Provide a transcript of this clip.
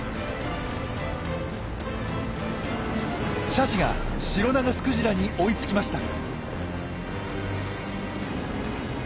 シャチがシロナガスクジラに追いつきました。